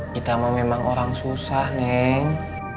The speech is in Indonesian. kita mau memang orang susah neng